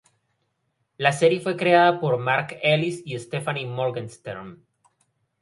La serie fue creada por Mark Ellis y Stephanie Morgenstern.